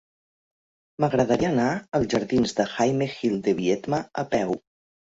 M'agradaria anar als jardins de Jaime Gil de Biedma a peu.